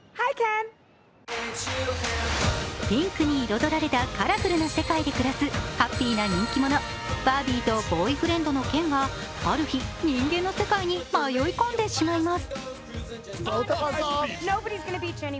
ピンクに彩られたカラフルな世界で暮らすハッピーな人気者、バービーとボーイフレンドのケンがある日、人間の世界に迷い込んでしまいます。